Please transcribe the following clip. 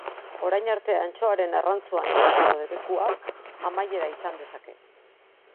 Orain arte antxoaren arrantzuan izandako debekuak amaiera izan dezake.